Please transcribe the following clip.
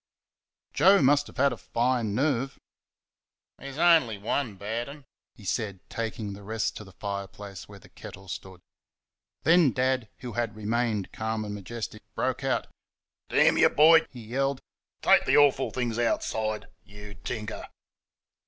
Joe must have had a fine nerve. "That's on'y one bad 'n'," he said, taking the rest to the fireplace where the kettle stood. Then Dad, who had remained calm and majestic, broke out. "Damn y', boy!" he yelled, "take th' awful things outside YOU tinker!"